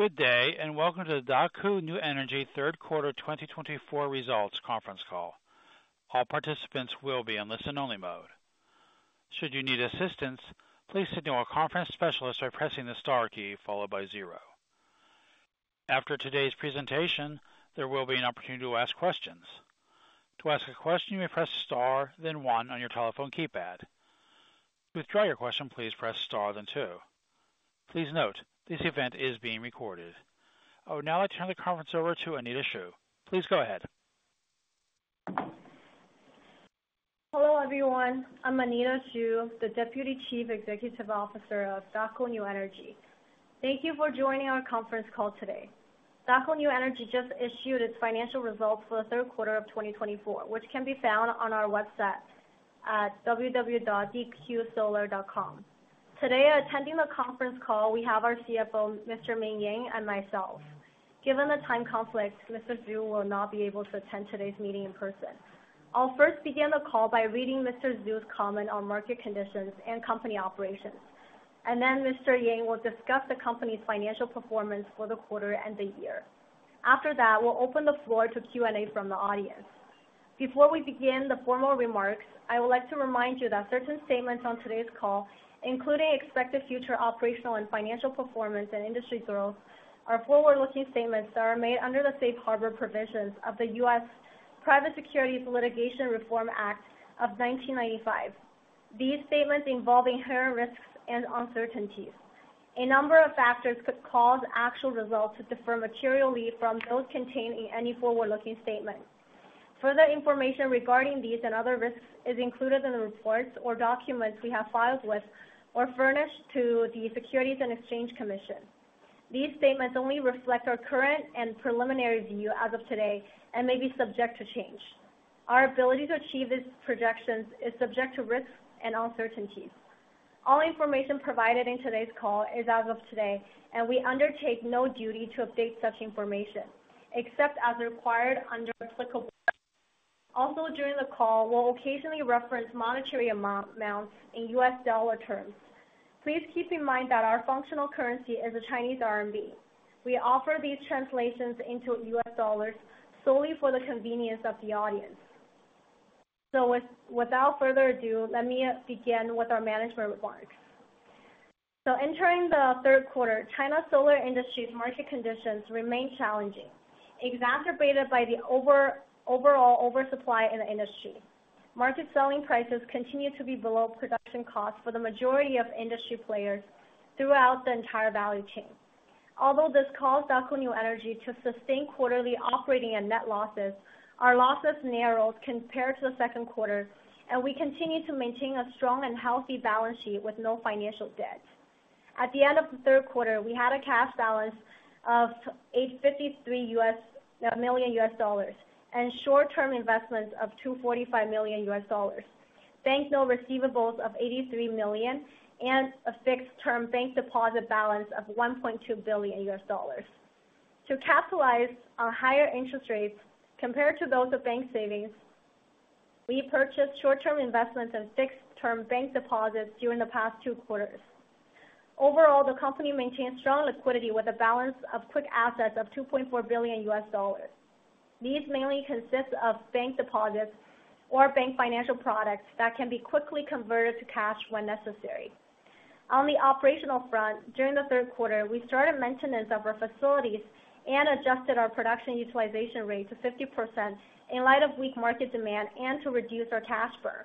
Good day, and welcome to the Daqo New Energy Third Quarter 2024 Results Conference Call. All participants will be on listen-only mode. Should you need assistance, please signal a conference specialist by pressing the star key followed by zero. After today's presentation, there will be an opportunity to ask questions. To ask a question, you may press star, then one on your telephone keypad. To withdraw your question, please press star, then two. Please note, this event is being recorded. I would now like to turn the conference over to Anita Xu. Please go ahead. Hello, everyone. I'm Anita Zhu, the Deputy Chief Executive Officer of Daqo New Energy. Thank you for joining our conference call today. Daqo New Energy just issued its financial results for the third quarter of 2024, which can be found on our website at www.dqsolar.com. Today, attending the conference call, we have our CFO, Mr. Ming Yang, and myself. Given the time conflict, Mr. Xu will not be able to attend today's meeting in person. I'll first begin the call by reading Mr. Xu's comment on market conditions and company operations. Then, Mr. Yang will discuss the company's financial performance for the quarter and the year. After that, we'll open the floor to Q&A from the audience. Before we begin the formal remarks, I would like to remind you that certain statements on today's call, including expected future operational and financial performance and industry growth, are forward-looking statements that are made under the safe harbor provisions of the U.S. Private Securities Litigation Reform Act of 1995. These statements involve inherent risks and uncertainties. A number of factors could cause actual results to differ materially from those contained in any forward-looking statement. Further information regarding these and other risks is included in the reports or documents we have filed with or furnished to the Securities and Exchange Commission. These statements only reflect our current and preliminary view as of today and may be subject to change. Our ability to achieve these projections is subject to risks and uncertainties. All information provided in today's call is as of today, and we undertake no duty to update such information except as required under applicable. Also, during the call, we'll occasionally reference monetary amounts in U.S. dollar terms. Please keep in mind that our functional currency is the Chinese RMB. We offer these translations into U.S. dollars solely for the convenience of the audience. So, without further ado, let me begin with our management remarks. So, entering the third quarter, China's solar industry's market conditions remain challenging, exacerbated by the overall oversupply in the industry. Market selling prices continue to be below production costs for the majority of industry players throughout the entire value chain. Although this caused Daqo New Energy to sustain quarterly operating and net losses, our losses narrowed compared to the second quarter, and we continue to maintain a strong and healthy balance sheet with no financial debt. At the end of the third quarter, we had a cash balance of $853 million and short-term investments of $245 million, bank notes receivables of $83 million, and a fixed-term bank deposit balance of $1.2 billion. To capitalize on higher interest rates compared to those of bank savings, we purchased short-term investments and fixed-term bank deposits during the past two quarters. Overall, the company maintains strong liquidity with a balance of quick assets of $2.4 billion. These mainly consist of bank deposits or bank financial products that can be quickly converted to cash when necessary. On the operational front, during the third quarter, we started maintenance of our facilities and adjusted our production utilization rate to 50% in light of weak market demand and to reduce our cash burn.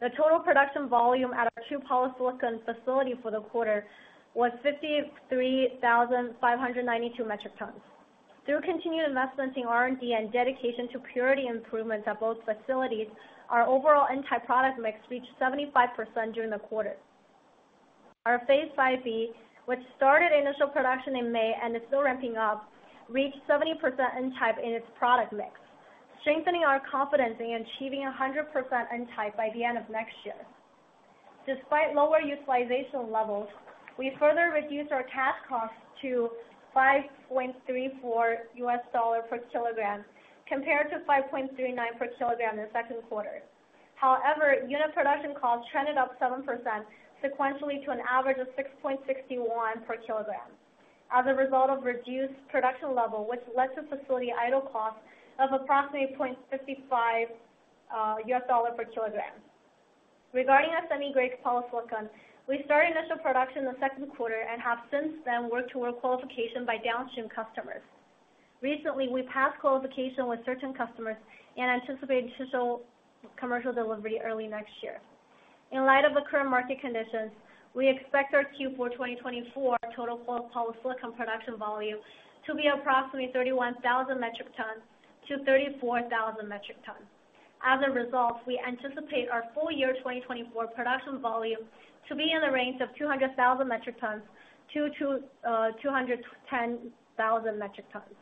The total production volume at our two polysilicon facilities for the quarter was 53,592 metric tons. Through continued investments in R&D and dedication to purity improvements at both facilities, our overall N-type product mix reached 75% during the quarter. Our Phase 5B, which started initial production in May and is still ramping up, reached 70% N-type in its product mix, strengthening our confidence in achieving 100% N-type by the end of next year. Despite lower utilization levels, we further reduced our cash costs to $5.34 per kilogram compared to $5.39 per kilogram in the second quarter. However, unit production costs trended up 7% sequentially to an average of $6.61 per kilogram as a result of reduced production levels, which led to facility idle costs of approximately $0.55 per kilogram. Regarding Semi grade polysilicon, we started initial production in the second quarter and have since then worked toward qualification by downstream customers. Recently, we passed qualification with certain customers and anticipate additional commercial delivery early next year. In light of the current market conditions, we expect our Q4 2024 total polysilicon production volume to be approximately 31,000 metric tons to 34,000 metric tons. As a result, we anticipate our full year 2024 production volume to be in the range of 200,000 metric tons to 210,000 metric tons.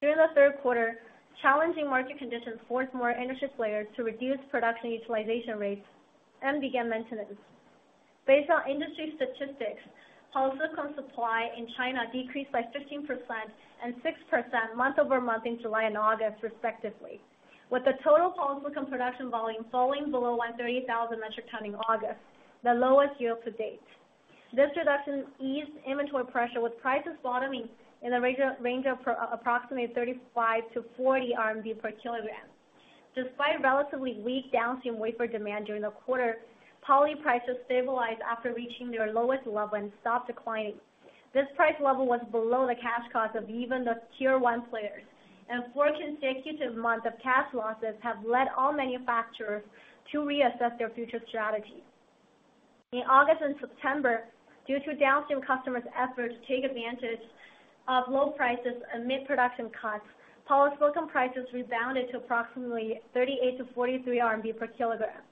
During the third quarter, challenging market conditions forced more industry players to reduce production utilization rates and begin maintenance. Based on industry statistics, polysilicon supply in China decreased by 15% and 6% month-over-month in July and August, respectively, with the total polysilicon production volume falling below 130,000 metric tons in August, the lowest year to date. This reduction eased inventory pressure, with prices bottoming in the range of approximately 35 to 40 RMB per kilogram. Despite relatively weak downstream wafer demand during the quarter, poly prices stabilized after reaching their lowest level and stopped declining. This price level was below the cash cost of even the tier one players, and four consecutive months of cash losses have led all manufacturers to reassess their future strategy. In August and September, due to downstream customers' efforts to take advantage of low prices amid production cuts, polysilicon prices rebounded to approximately 38-43 RMB per kilogram.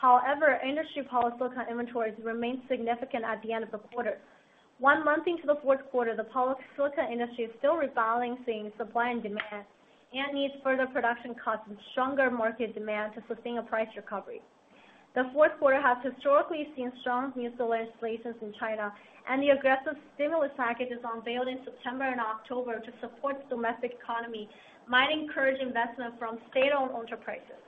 However, industry polysilicon inventories remained significant at the end of the quarter. One month into the fourth quarter, the polysilicon industry is still rebalancing supply and demand and needs further production costs and stronger market demand to sustain a price recovery. The fourth quarter has historically seen strong new solar installations in China, and the aggressive stimulus packages unveiled in September and October to support the domestic economy might encourage investment from state-owned enterprises.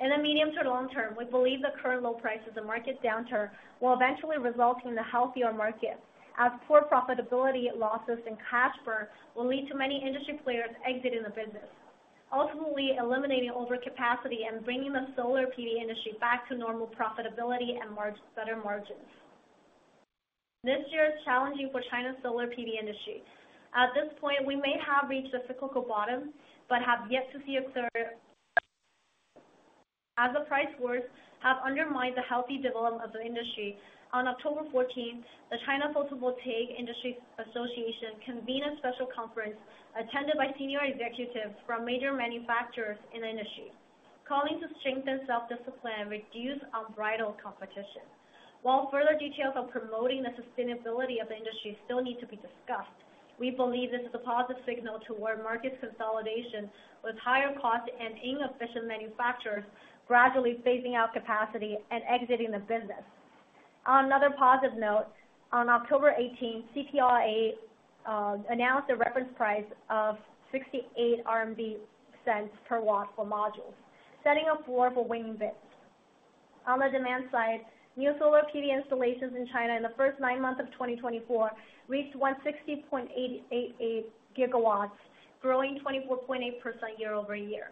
In the medium to long term, we believe the current low prices and market downturn will eventually result in a healthier market, as poor profitability losses and cash burn will lead to many industry players exiting the business, ultimately eliminating overcapacity and bringing the solar PV industry back to normal profitability and better margins. This year is challenging for China's solar PV industry. At this point, we may have reached a cyclical bottom but have yet to see a clear recovery as the price wars have undermined the healthy development of the industry. On October 14, the China Photovoltaic Industry Association convened a special conference attended by senior executives from major manufacturers in the industry, calling to strengthen self-discipline and reduce unbridled competition. While further details on promoting the sustainability of the industry still need to be discussed, we believe this is a positive signal toward market consolidation with higher costs and inefficient manufacturers gradually phasing out capacity and exiting the business. On another positive note, on October 18, CPIA announced a reference price of 68 RMB per watt for modules, setting a floor for winning bids. On the demand side, new solar PV installations in China in the first nine months of 2024 reached 160.88 gigawatts, growing 24.8% year over year.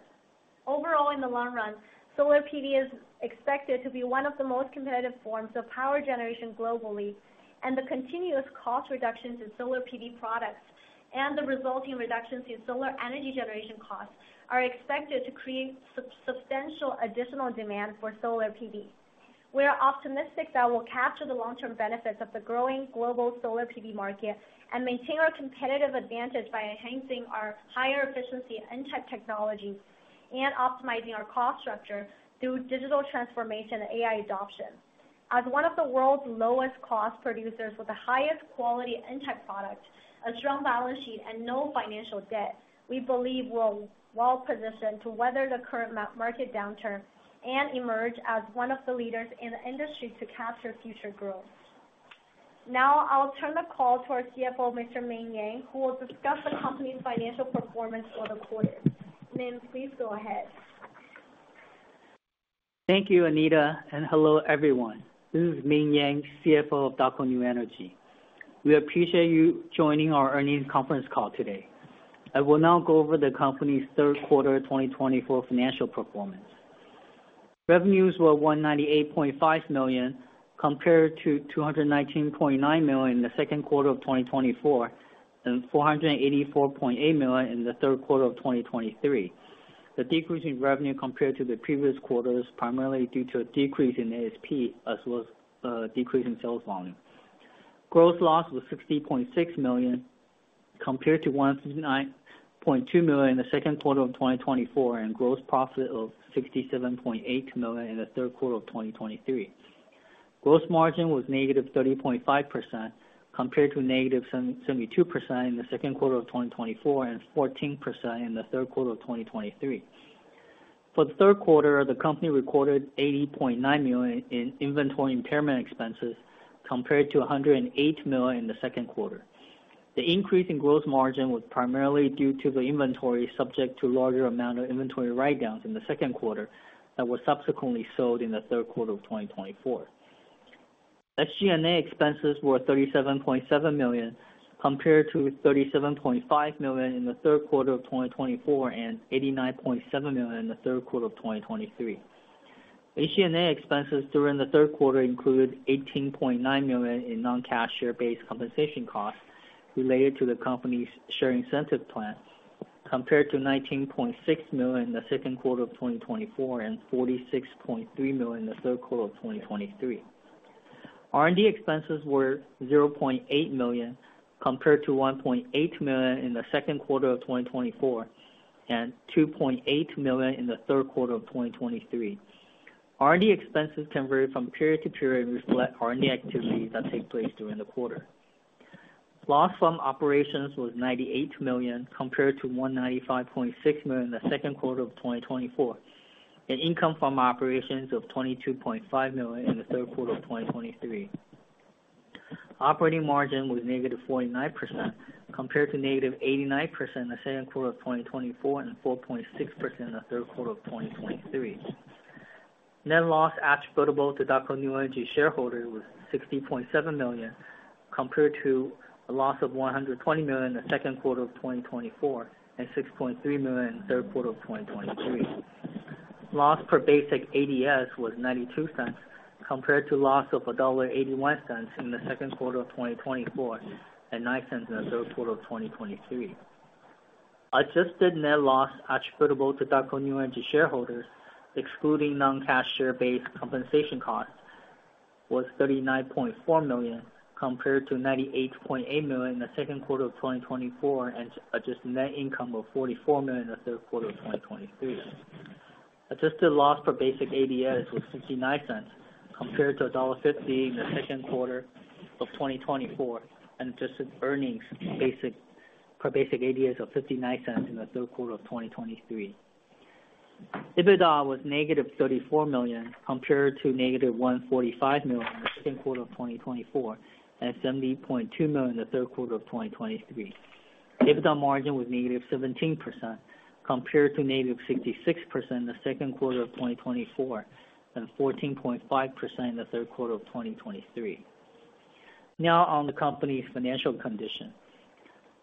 Overall, in the long run, solar PV is expected to be one of the most competitive forms of power generation globally, and the continuous cost reductions in solar PV products and the resulting reductions in solar energy generation costs are expected to create substantial additional demand for solar PV. We are optimistic that we'll capture the long-term benefits of the growing global solar PV market and maintain our competitive advantage by enhancing our higher efficiency N-type technology and optimizing our cost structure through digital transformation and AI adoption. As one of the world's lowest cost producers with the highest quality N-type products, a strong balance sheet, and no financial debt, we believe we're well-positioned to weather the current market downturn and emerge as one of the leaders in the industry to capture future growth. Now, I'll turn the call to our CFO, Mr. Ming Yang, who will discuss the company's financial performance for the quarter. Ming, please go ahead. Thank you, Anita, and hello, everyone. This is Ming Yang, CFO of Daqo New Energy. We appreciate you joining our earnings conference call today. I will now go over the company's third quarter 2024 financial performance. Revenues were $198.5 million compared to $219.9 million in the second quarter of 2024 and $484.8 million in the third quarter of 2023. The decrease in revenue compared to the previous quarter is primarily due to a decrease in ASP as well as a decrease in sales volume. Gross loss was $60.6 million compared to $159.2 million in the second quarter of 2024 and gross profit of $67.8 million in the third quarter of 2023. Gross margin was negative 30.5% compared to negative 72% in the second quarter of 2024 and 14% in the third quarter of 2023. For the third quarter, the company recorded $80.9 million in inventory impairment expenses compared to $108 million in the second quarter. The increase in gross margin was primarily due to the inventory subject to a larger amount of inventory write-downs in the second quarter that were subsequently sold in the third quarter of 2024. SG&A expenses were $37.7 million compared to $37.5 million in the second quarter of 2024 and $89.7 million in the third quarter of 2023. SG&A expenses during the third quarter included $18.9 million in non-cash share-based compensation costs related to the company's share incentive plan compared to $19.6 million in the second quarter of 2024 and $46.3 million in the third quarter of 2023. R&D expenses were $0.8 million compared to $1.8 million in the second quarter of 2024 and $2.8 million in the third quarter of 2023. R&D expenses converted from period to period reflect R&D activity that takes place during the quarter. Loss from operations was $98 million compared to $195.6 million in the second quarter of 2024 and income from operations of $22.5 million in the third quarter of 2023. Operating margin was negative 49% compared to negative 89% in the second quarter of 2024 and 4.6% in the third quarter of 2023. Net loss attributable to Daqo New Energy shareholders was $60.7 million compared to a loss of $120 million in the second quarter of 2024 and $6.3 million in the third quarter of 2023. Loss per basic ADS was $0.92 compared to loss of $1.81 in the second quarter of 2024 and $0.09 in the third quarter of 2023. Adjusted net loss attributable to Daqo New Energy shareholders, excluding non-cash share-based compensation costs, was $39.4 million compared to $98.8 million in the second quarter of 2024 and adjusted net income of $44 million in the third quarter of 2023. Adjusted loss per basic ADS was $0.59 compared to $1.50 in the second quarter of 2024 and adjusted earnings per basic ADS of $0.59 in the third quarter of 2023. EBITDA was negative $34 million compared to negative $145 million in the second quarter of 2024 and $70.2 million in the third quarter of 2023. EBITDA margin was negative 17% compared to negative 66% in the second quarter of 2024 and 14.5% in the third quarter of 2023. Now, on the company's financial condition.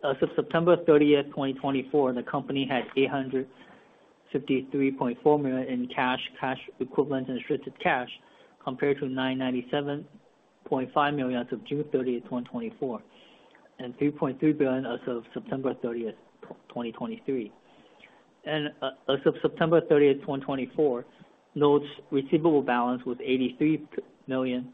As of September 30, 2024, the company had $853.4 million in cash, cash equivalent, and restricted cash compared to $997.5 million as of June 30, 2024, and $3.3 billion as of September 30, 2023. As of September 30, 2024, notes receivable balance was $83 million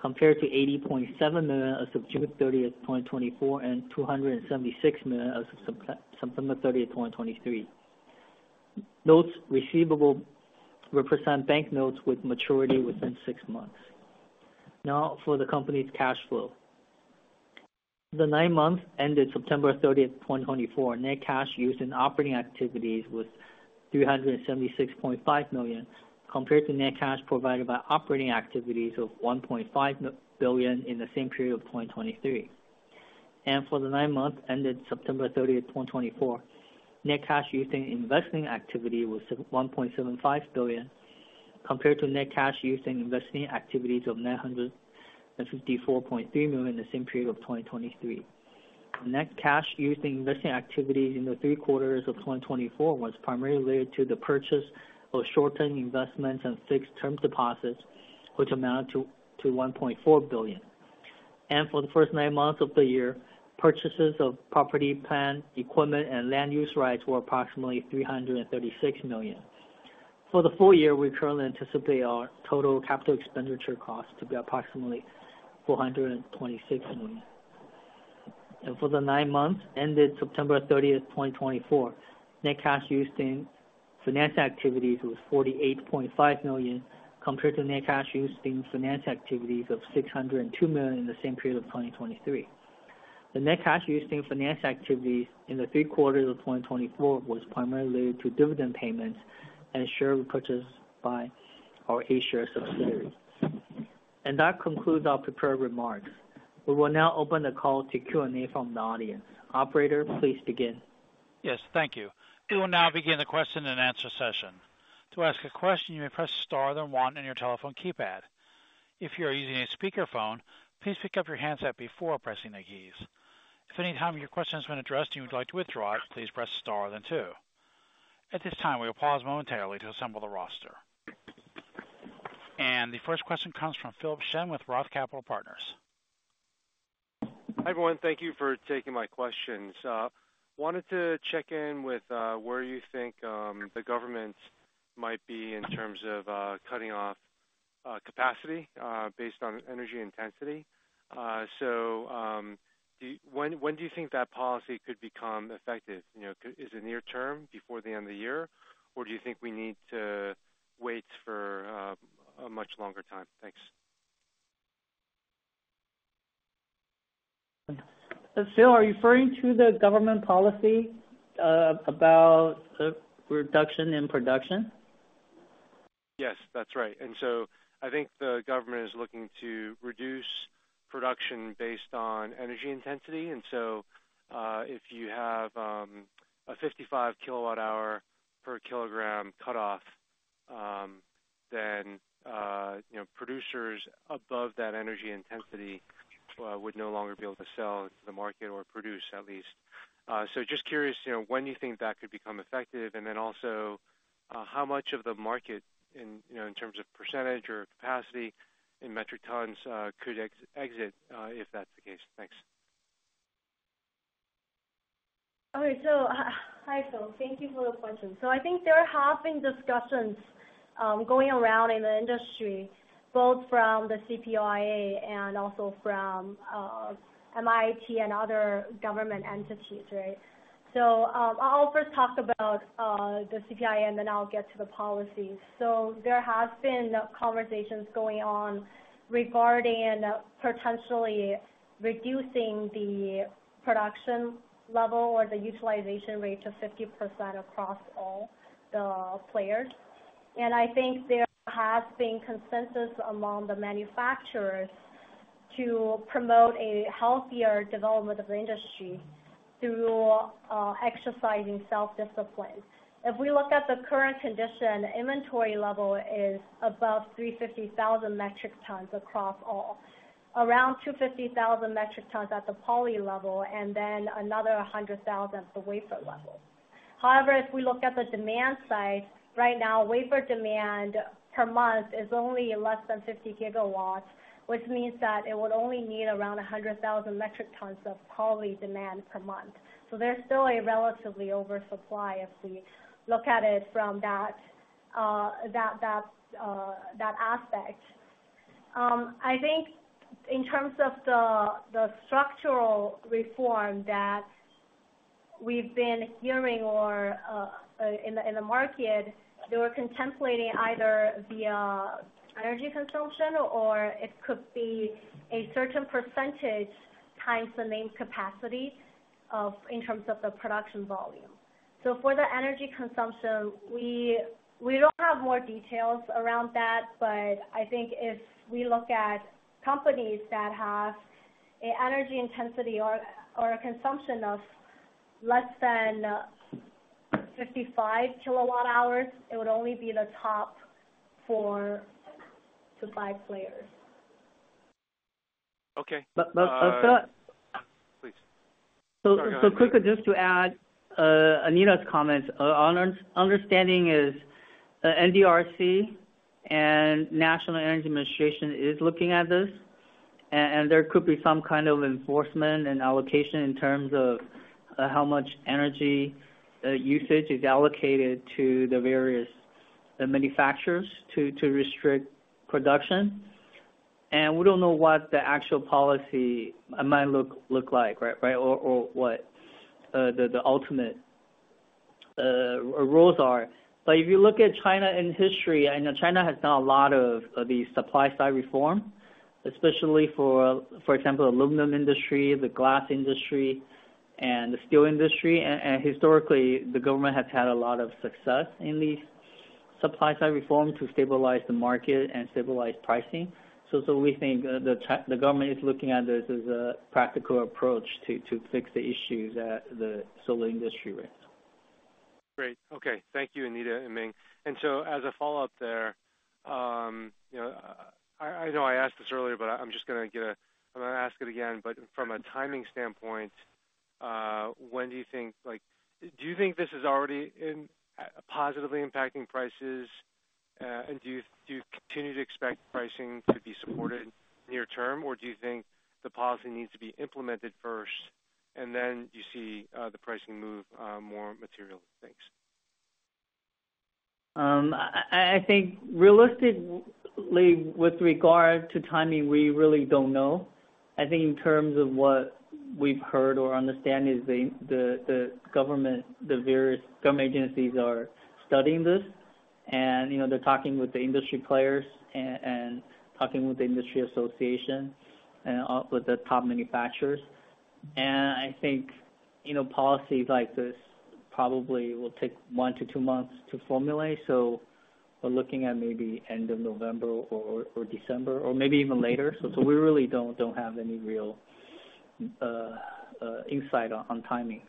compared to $80.7 million as of June 30, 2024, and $276 million as of September 30, 2023. Notes receivable represent bank notes with maturity within six months. Now, for the company's cash flow. The nine months ended September 30, 2024, net cash used in operating activities was $376.5 million compared to net cash provided by operating activities of $1.5 billion in the same period of 2023, and for the nine months ended September 30, 2024, net cash used in investing activity was $1.75 billion compared to net cash used in investing activities of $954.3 million in the same period of 2023. Net cash used in investing activities in the three quarters of 2024 was primarily related to the purchase of short-term investments and fixed-term deposits, which amounted to $1.4 billion. And for the first nine months of the year, purchases of property, plant, equipment, and land use rights were approximately $336 million. For the full year, we currently anticipate our total capital expenditure cost to be approximately $426 million. And for the nine months ended September 30, 2024, net cash used in financing activities was $48.5 million compared to net cash used in financing activities of $602 million in the same period of 2023. The net cash used in financing activities in the three quarters of 2024 was primarily related to dividend payments and share purchases by our A-share subsidiaries. And that concludes our prepared remarks. We will now open the call to Q&A from the audience. Operator, please begin. Yes, thank you. We will now begin the question and answer session. To ask a question, you may press star then one on your telephone keypad. If you are using a speakerphone, please pick up your handset before pressing the keys. If any time your question has been addressed and you would like to withdraw it, please press star then two. At this time, we will pause momentarily to assemble the roster. And the first question comes from Philip Shen with Roth Capital Partners. Hi everyone. Thank you for taking my questions. Wanted to check in with where you think the government might be in terms of cutting off capacity based on energy intensity. So when do you think that policy could become effective? Is it near term, before the end of the year, or do you think we need to wait for a much longer time? Thanks. Phil, are you referring to the government policy about reduction in production? Yes, that's right, and so I think the government is looking to reduce production based on energy intensity, and so if you have a 55 kilowatt-hour per kilogram cutoff, then producers above that energy intensity would no longer be able to sell to the market or produce at least, so just curious, when do you think that could become effective, and then also, how much of the market in terms of percentage or capacity in metric tons could exit if that's the case? Thanks. Okay, so hi Phil. Thank you for the question. So I think there have been discussions going around in the industry, both from the CPIA and also from MIIT and other government entities, right? So I'll first talk about the CPIA, and then I'll get to the policy. So there have been conversations going on regarding potentially reducing the production level or the utilization rate to 50% across all the players. And I think there has been consensus among the manufacturers to promote a healthier development of the industry through exercising self-discipline. If we look at the current condition, the inventory level is above 350,000 metric tons across all, around 250,000 metric tons at the poly level, and then another 100,000 at the wafer level. However, if we look at the demand side right now, wafer demand per month is only less than 50 gigawatts, which means that it would only need around 100,000 metric tons of poly demand per month. So there's still a relatively oversupply if we look at it from that aspect. I think in terms of the structural reform that we've been hearing in the market, they were contemplating either the energy consumption or it could be a certain percentage times the nameplate capacity in terms of the production volume. So for the energy consumption, we don't have more details around that, but I think if we look at companies that have an energy intensity or a consumption of less than 55 kilowatt-hours, it would only be the top four to five players. Okay. Please. So quickly just to add Anita's comments, our understanding is NDRC and National Energy Administration is looking at this, and there could be some kind of enforcement and allocation in terms of how much energy usage is allocated to the various manufacturers to restrict production, and we don't know what the actual policy might look like, right, or what the ultimate rules are, but if you look at China in history, I know China has done a lot of these supply-side reforms, especially for, for example, the aluminum industry, the glass industry, and the steel industry, and historically, the government has had a lot of success in these supply-side reforms to stabilize the market and stabilize pricing, so we think the government is looking at this as a practical approach to fix the issues that the solar industry raised. Great. Okay. Thank you, Anita and Ming. And so as a follow-up there, I know I asked this earlier, but I'm just going to ask it again, but from a timing standpoint, when do you think this is already positively impacting prices, and do you continue to expect pricing to be supported near term, or do you think the policy needs to be implemented first, and then you see the pricing move more materially? Thanks. I think realistically, with regard to timing, we really don't know. I think in terms of what we've heard or understand is the government, the various government agencies are studying this, and they're talking with the industry players and talking with the industry association and with the top manufacturers. And I think policies like this probably will take one to two months to formulate. So we're looking at maybe end of November or December, or maybe even later. So we really don't have any real insight on timing.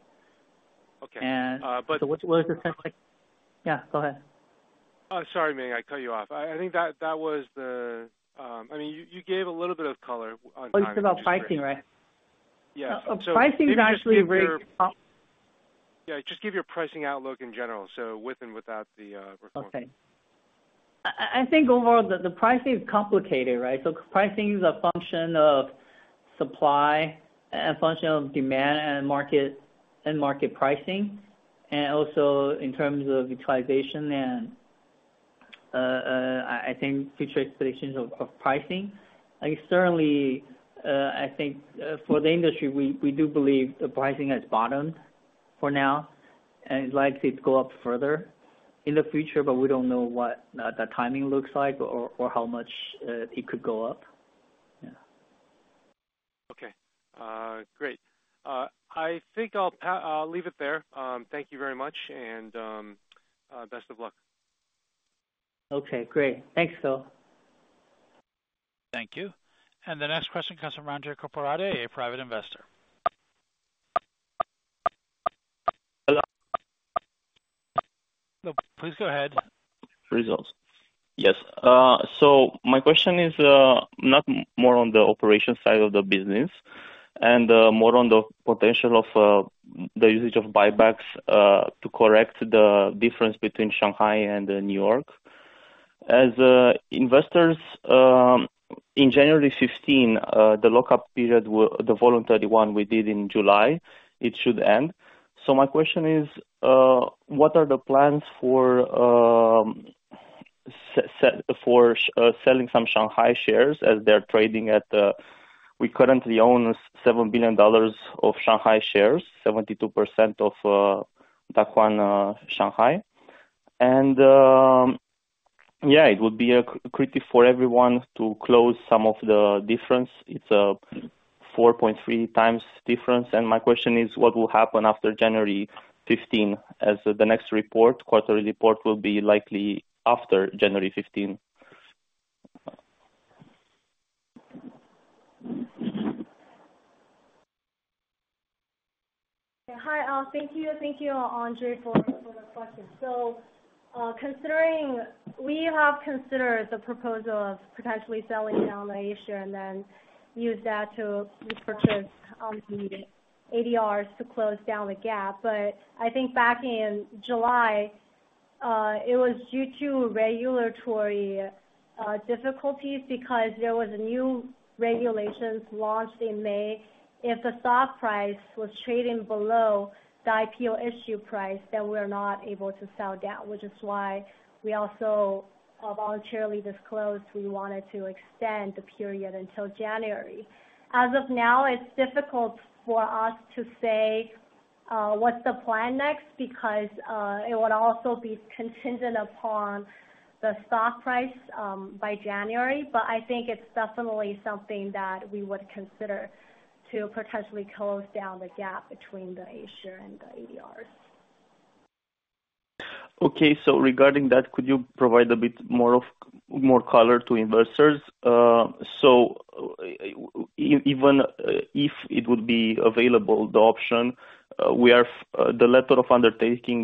Okay. But. So what was the second? Yeah, go ahead. Oh, sorry, Ming. I cut you off. I think that was the. I mean, you gave a little bit of color on. It's about pricing, right? Yeah. So, pricing is actually very. Yeah. Just give your pricing outlook in general, so with and without the report. Okay. I think overall, the pricing is complicated, right? So pricing is a function of supply and a function of demand and market pricing. And also in terms of utilization and, I think, future expectations of pricing. I think certainly, I think for the industry, we do believe the pricing has bottomed for now, and it likely to go up further in the future, but we don't know what the timing looks like or how much it could go up. Yeah. Okay. Great. I think I'll leave it there. Thank you very much, and best of luck. Okay. Great. Thanks, Phil. Thank you. And the next question comes from Ranjay Kapurade, a private investor. Hello? Please go ahead. Results. Yes. So my question is not more on the operation side of the business and more on the potential of the usage of buybacks to correct the difference between Shanghai and New York. As investors, in January 15, the lockup period, the voluntary one we did in July, it should end. So my question is, what are the plans for selling some Shanghai shares as they're trading at the we currently own $7 billion of Shanghai shares, 72% of Daqo Shanghai. And yeah, it would be critical for everyone to close some of the difference. It's a 4.3 times difference. And my question is, what will happen after January 15 as the next report, quarterly report will be likely after January 15? Hi, thank you. Thank you, Ranjay, for the question. So we have considered the proposal of potentially selling down the issue and then use that to purchase on the ADRs to close down the gap. But I think back in July, it was due to regulatory difficulties because there were new regulations launched in May. If the stock price was trading below the IPO issue price, then we were not able to sell down, which is why we also voluntarily disclosed we wanted to extend the period until January. As of now, it's difficult for us to say what's the plan next because it would also be contingent upon the stock price by January. But I think it's definitely something that we would consider to potentially close down the gap between the issue and the ADRs. Okay. So regarding that, could you provide a bit more color to investors? So even if it would be available, the option, the letter of undertaking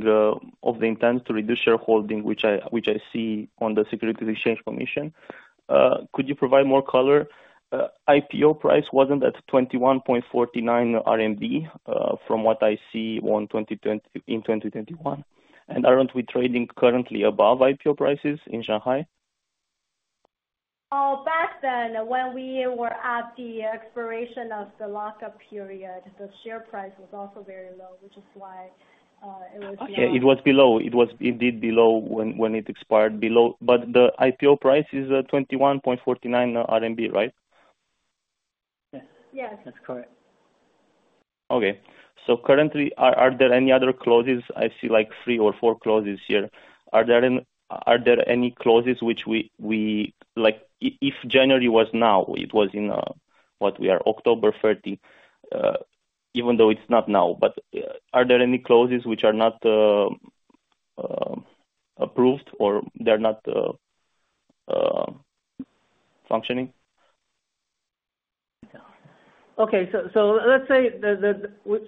of the intent to reduce shareholding, which I see on the Securities and Exchange Commission, could you provide more color? IPO price wasn't at 21.49 RMB from what I see in 2021. And aren't we trading currently above IPO prices in Shanghai? Back then, when we were at the expiration of the lockup period, the share price was also very low, which is why it was. Okay. It was below. It was indeed below when it expired. But the IPO price is 21.49 RMB, right? Yes. Yes. That's correct. Okay. So currently, are there any other clauses? I see like three or four clauses here. Are there any clauses which we if January was now, it was in what we are October 30, even though it's not now? But are there any clauses which are not approved or they're not functioning? Okay. So let's say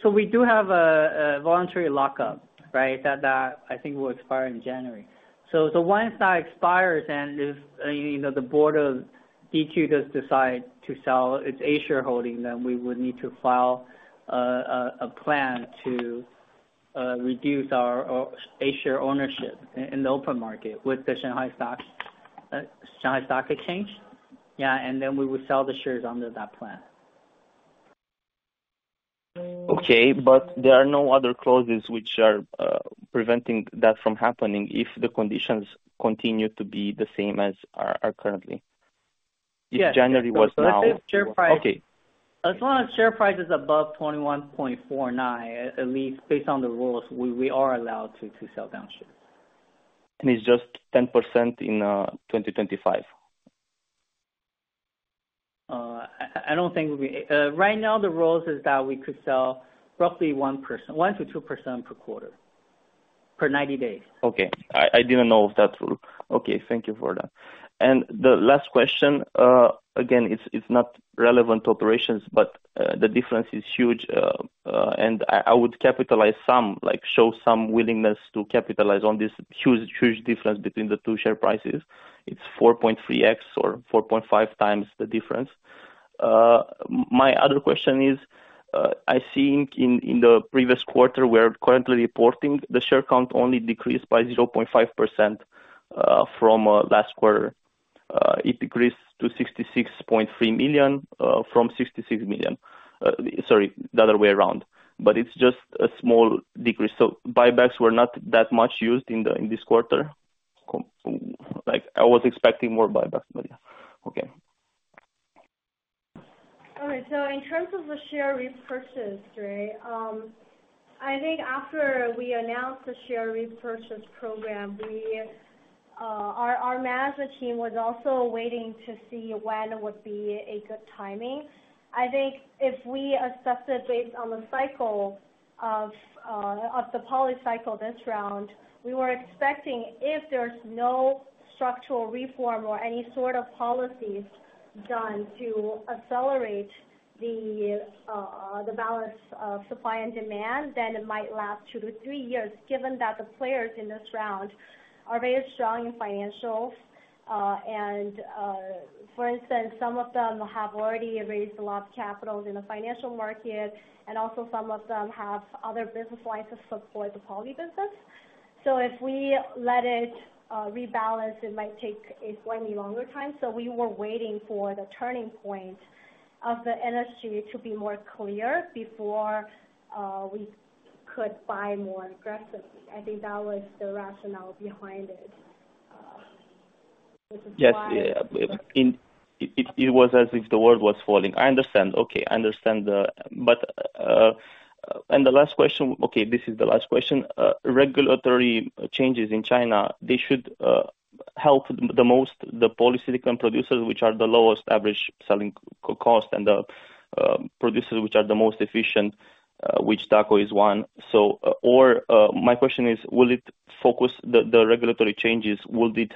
we do have a voluntary lockup, right, that I think will expire in January. So once that expires and the board of DQ does decide to sell its A-share holding, then we would need to file a plan to reduce our A-share ownership in the open market with the Shanghai Stock Exchange. Yeah, and then we would sell the shares under that plan. Okay. But there are no other clauses which are preventing that from happening if the conditions continue to be the same as they are currently? If January was now. As long as share price is above $21.49, at least based on the rules, we are allowed to sell down shares. It's just 10% in 2025? I don't think we, right now. The rules is that we could sell roughly 1%-2% per quarter per 90 days. Okay. I didn't know of that rule. Okay. Thank you for that. And the last question, again, it's not relevant to operations, but the difference is huge. And I would capitalize some, show some willingness to capitalize on this huge, huge difference between the two share prices. It's 4.3x or 4.5 times the difference. My other question is, I see in the previous quarter we're currently reporting the share count only decreased by 0.5% from last quarter. It decreased to 66.3 million from 66 million. Sorry, the other way around. But it's just a small decrease. So buybacks were not that much used in this quarter. I was expecting more buybacks, but yeah. Okay. All right, so in terms of the share repurchase, right, I think after we announced the share repurchase program, our management team was also waiting to see when it would be a good timing. I think if we assess it based on the cycle of the policy cycle this round, we were expecting if there's no structural reform or any sort of policies done to accelerate the balance of supply and demand, then it might last two to three years, given that the players in this round are very strong in financials. And for instance, some of them have already raised a lot of capital in the financial market, and also some of them have other business lines to support the poly business, so if we let it rebalance, it might take a slightly longer time. So we were waiting for the turning point of the industry to be more clear before we could buy more aggressively. I think that was the rationale behind it. Yes. Yeah. It was as if the world was falling. I understand. Okay. I understand. But the last question, okay, this is the last question. Regulatory changes in China, they should help the most the policy-dependent producers, which are the lowest average selling cost, and the producers which are the most efficient, which Daqo is one. So my question is, will the regulatory changes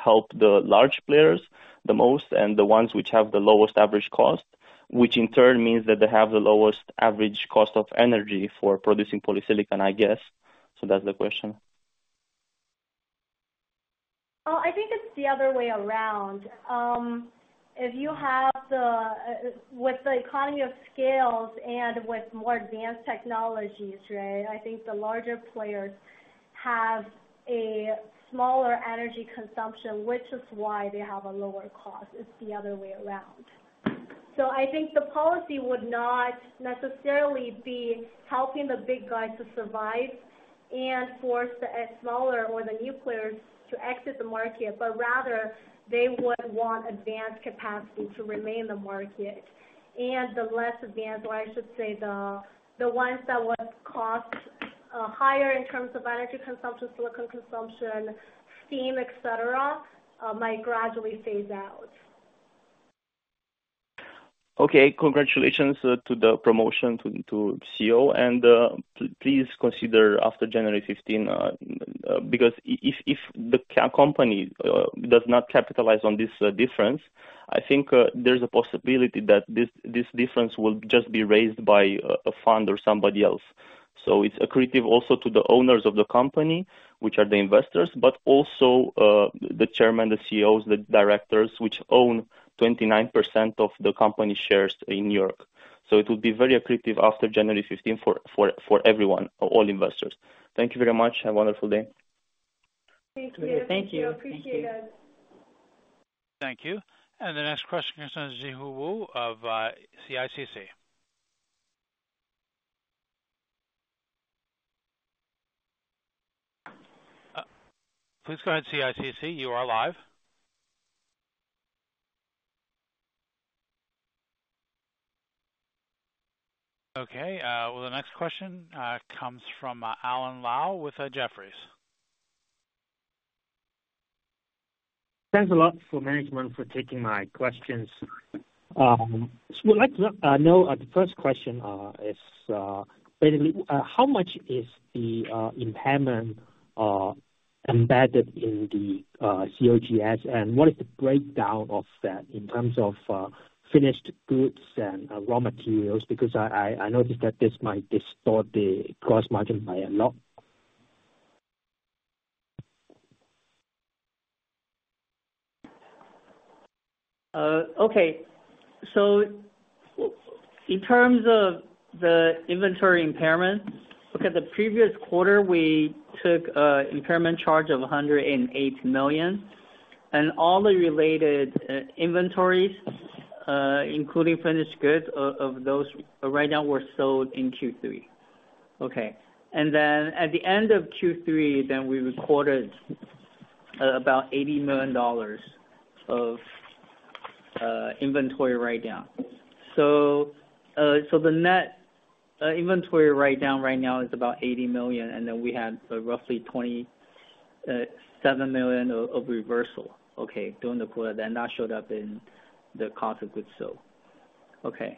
help the large players the most and the ones which have the lowest average cost, which in turn means that they have the lowest average cost of energy for producing polysilicon, I guess? So that's the question. I think it's the other way around. If you have the economies of scale and with more advanced technologies, right, I think the larger players have a smaller energy consumption, which is why they have a lower cost. It's the other way around. So I think the policy would not necessarily be helping the big guys to survive and force the smaller or the newcomers to exit the market, but rather they would want advanced capacity to remain in the market, and the less advanced, or I should say the ones that would cost higher in terms of energy consumption, silicon consumption, steam, etc., might gradually phase out. Okay. Congratulations to the promotion to CEO. And please consider after January 15, because if the company does not capitalize on this difference, I think there's a possibility that this difference will just be raised by a fund or somebody else. So it's accretive also to the owners of the company, which are the investors, but also the chairman, the CEOs, the directors, which own 29% of the company shares in New York. So it would be very accretive after January 15 for everyone, all investors. Thank you very much. Have a wonderful day. Thank you. Thank you. Thank you. Thank you, and the next question concerns Zhihu Wu of CICC. Please go ahead, CICC. You are live. Okay. Well, the next question comes from Alan Law with Jefferies. Thanks a lot, Management, for taking my questions. So I'd like to know the first question is basically, how much is the impairment embedded in the COGS, and what is the breakdown of that in terms of finished goods and raw materials? Because I noticed that this might distort the gross margin by a lot. Okay. So in terms of the inventory impairment, look at the previous quarter, we took an impairment charge of $108 million. And all the related inventories, including finished goods, of those right now were sold in Q3. Okay. And then at the end of Q3, we recorded about $80 million of inventory write-down. So the net inventory write-down right now is about $80 million, and then we had roughly $27 million of reversal, okay, during the quarter. Then that showed up in the cost of goods sold. Okay.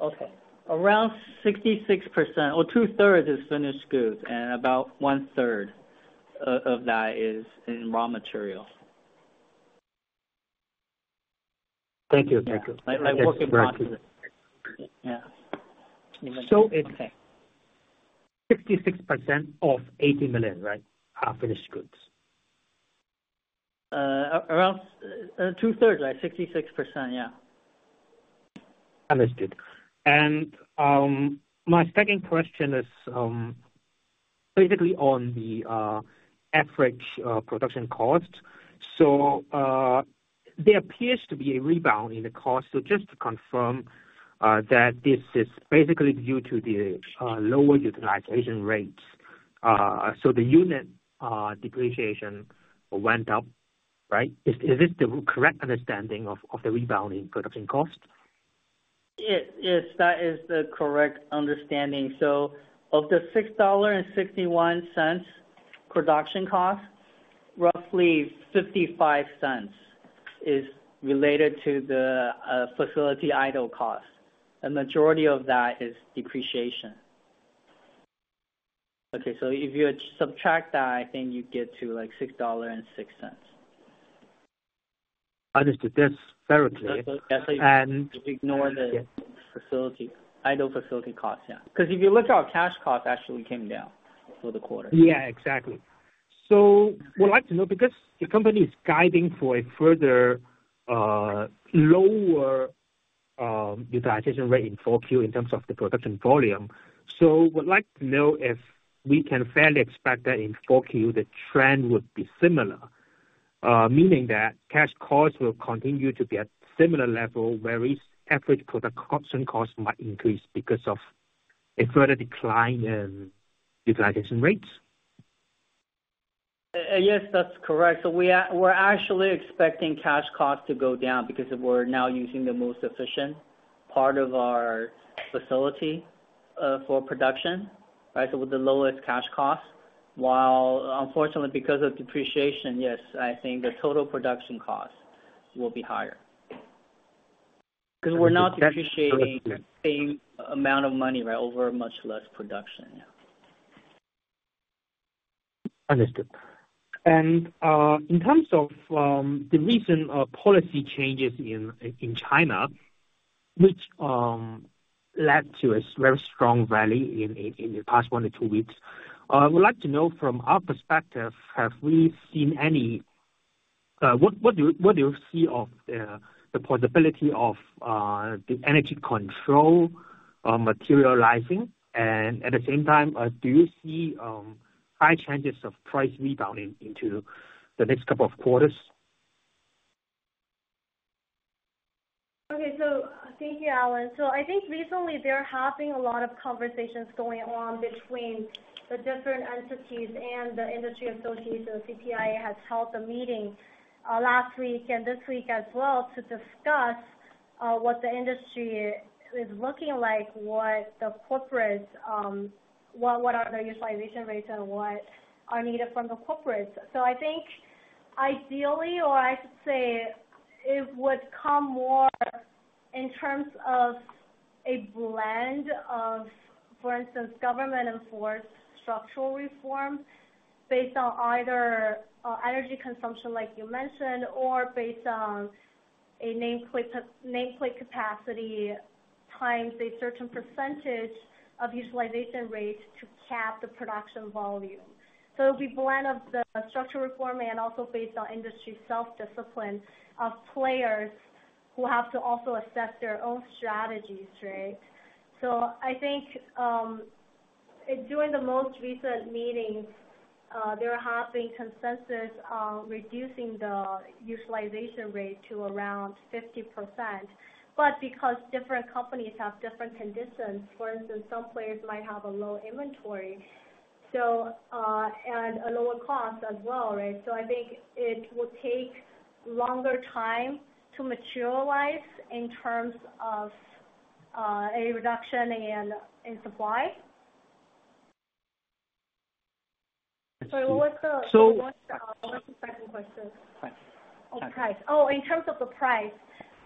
Okay. Around 66% or two-thirds is finished goods, and about one-third of that is in raw materials. Thank you. Thank you. I'm working on it. So it's 66% of 80 million, right, of finished goods? Around two-thirds, right? 66%, yeah. Understood. And my second question is basically on the average production cost. So there appears to be a rebound in the cost. So just to confirm that this is basically due to the lower utilization rates. So the unit depreciation went up, right? Is this the correct understanding of the rebound in production cost? Yes. That is the correct understanding. So of the $6.61 production cost, roughly $0.55 is related to the facility idle cost. The majority of that is depreciation. Okay. So if you subtract that, I think you get to like $6.06. Understood. That's very clear. Ignore the idle facility cost, yeah. Because if you look at our cash cost, actually came down for the quarter. Yeah, exactly. So we'd like to know because the company is guiding for a further lower utilization rate in 4Q in terms of the production volume. So we'd like to know if we can fairly expect that in 4Q, the trend would be similar, meaning that cash costs will continue to be at similar level, whereas average production costs might increase because of a further decline in utilization rates. Yes, that's correct. So we're actually expecting cash costs to go down because we're now using the most efficient part of our facility for production, right, with the lowest cash cost. While, unfortunately, because of depreciation, yes, I think the total production cost will be higher. Because we're not depreciating the same amount of money, right, over much less production. Understood. And in terms of the recent policy changes in China, which led to a very strong rally in the past one to two weeks, I would like to know from our perspective, what do you see of the possibility of the energy control materializing? And at the same time, do you see high chances of price rebounding into the next couple of quarters? Okay. So thank you, Alan. So I think recently there have been a lot of conversations going on between the different entities and the industry association. CPIA has held a meeting last week and this week as well to discuss what the industry is looking like, what the corporate what are the utilization rates and what are needed from the corporates. So I think ideally, or I should say it would come more in terms of a blend of, for instance, government-enforced structural reform based on either energy consumption, like you mentioned, or based on a nameplate capacity times a certain percentage of utilization rate to cap the production volume. So it'll be a blend of the structural reform and also based on industry self-discipline of players who have to also assess their own strategies, right? So I think during the most recent meetings, there have been consensus on reducing the utilization rate to around 50%. But because different companies have different conditions, for instance, some players might have a low inventory and a lower cost as well, right? So I think it will take longer time to materialize in terms of a reduction in supply. So, what's the? So what's the second question? Price. Oh, price. Oh, in terms of the price,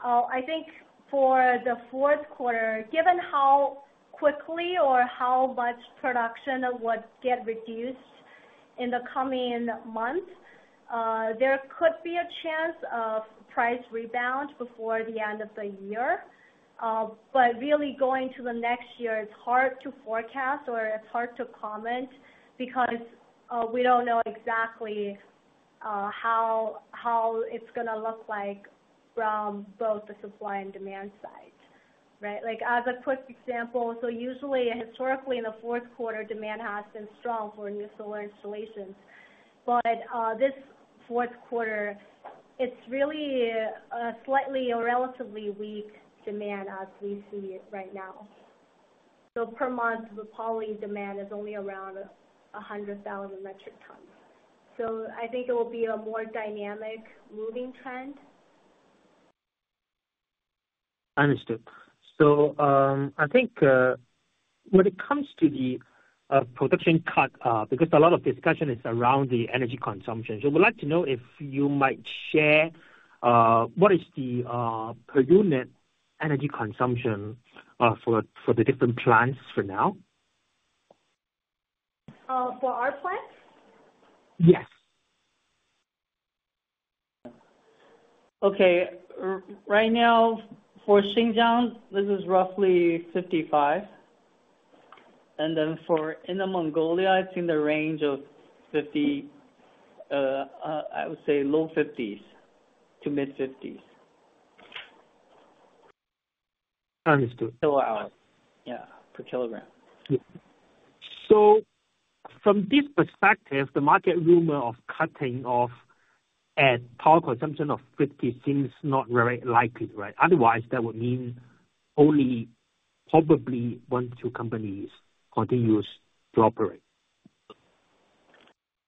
I think for the fourth quarter, given how quickly or how much production would get reduced in the coming months, there could be a chance of price rebound before the end of the year. But really going to the next year, it's hard to forecast or it's hard to comment because we don't know exactly how it's going to look like from both the supply and demand side, right? As a quick example, so usually, historically, in the fourth quarter, demand has been strong for new solar installations. But this fourth quarter, it's really a slightly or relatively weak demand as we see it right now. So per month, the poly demand is only around 100,000 metric tons. So I think it will be a more dynamic moving trend. Understood. I think when it comes to the production cut, because a lot of discussion is around the energy consumption, so we'd like to know if you might share what is the per unit energy consumption for the different plans for now? For our plans? Yes. Okay. Right now, for Xinjiang, this is roughly 55. And then for Inner Mongolia, it's in the range of 50, I would say low 50s to mid 50s. Understood. Yeah, per kilogram. So from this perspective, the market rumor of cutting off at power consumption of 50 seems not very likely, right? Otherwise, that would mean only probably one or two companies continue to operate.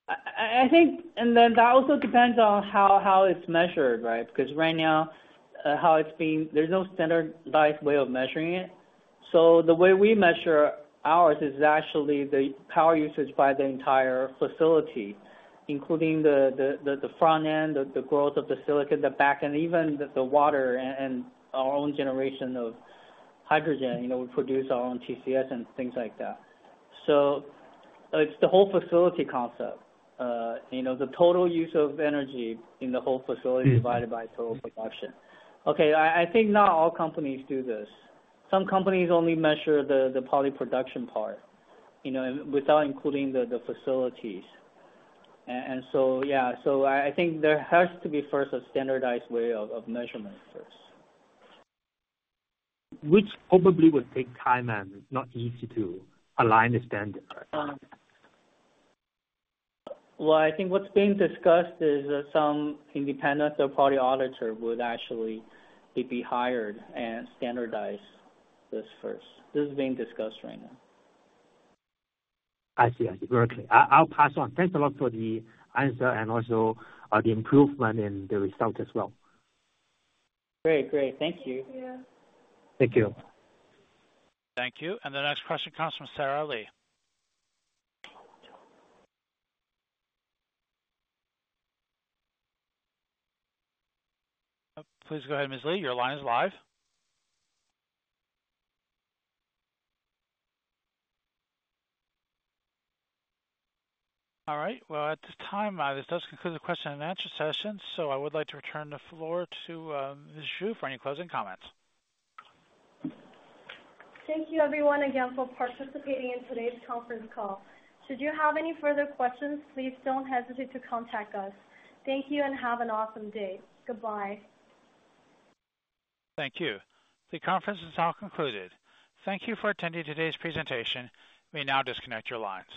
I think, and then that also depends on how it's measured, right? Because right now, how it's being, there's no standardized way of measuring it. So the way we measure ours is actually the power usage by the entire facility, including the front end, the growth of the silicon, the back end, even the water and our own generation of hydrogen. We produce our own TCS and things like that. So it's the whole facility concept, the total use of energy in the whole facility divided by total production. Okay. I think not all companies do this. Some companies only measure the poly production part without including the facilities. And so, yeah. So I think there has to be first a standardized way of measurement first. Which probably would take time and not easy to align the standard. I think what's being discussed is some independent or probably auditor would actually be hired and standardize this first. This is being discussed right now. I see.. Very clear. I'll pass on. Thanks a lot for the answer and also the improvement in the result as well. Great. Great. Thank you. Thank you. Thank you. Thank you. And the next question comes from Sarah Lee. Please go ahead, Ms. Lee. Your line is live. All right. Well, at this time, this does conclude the question and answer session. So I would like to return the floor to Ms. Xu for any closing comments. Thank you, everyone, again for participating in today's conference call. Should you have any further questions, please don't hesitate to contact us. Thank you and have an awesome day. Goodbye. Thank you. The conference is now concluded. Thank you for attending today's presentation. We now disconnect your lines.